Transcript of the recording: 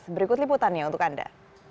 berikut liputannya untuk anda